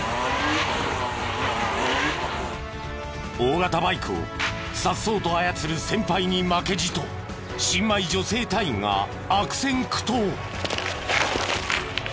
大型バイクを颯爽と操る先輩に負けじと新米女性隊員が悪戦苦闘。